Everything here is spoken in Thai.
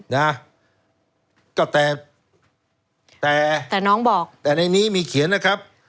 นะก็แต่แต่แต่น้องบอกแต่ในนี้มีเขียนนะครับ